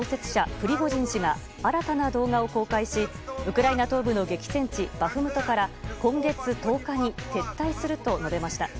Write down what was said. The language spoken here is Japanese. プリゴジン氏が新たな動画を公開しウクライナ東部の激戦地バフムトから今月１０日に撤退すると述べました。